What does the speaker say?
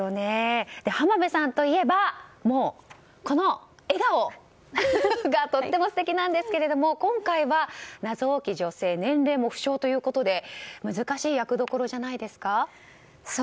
浜辺さんといえばこの笑顔がとっても素敵なんですが今回は謎多き女性で年齢も不詳ということで難しい役どころじゃないですか？